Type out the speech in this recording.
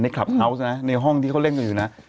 ในคลับเคานซ์นะในห้องที่เขาเล่นอยู่นะ